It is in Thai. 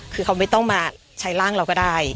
คือเขาไม่ต้องมาใช้ร่างเราก็ได้